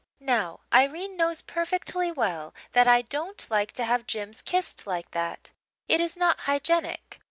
Now, Irene knows perfectly well that I don't like to have Jims kissed like that. It is not hygienic.